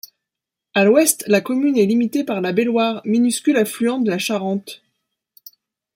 À l'ouest la commune est limitée par la Belloire, minuscule affluent de la Charente.